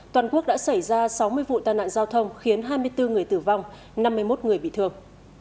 toàn quốc đã xảy ra sáu mươi vụ tai nạn giao thông khiến hai mươi bốn người tử vong năm mươi một người bị thương